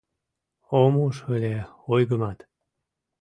Ом уж ыле ойгымат.